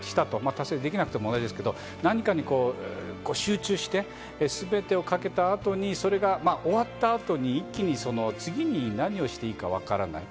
達成できなくても同じですけど、何かに集中して、すべてをかけた後に、それが終わった後に一気に次に何をしていいかわからない。